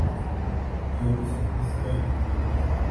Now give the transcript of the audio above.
გიორგის ეკლესია იდგა.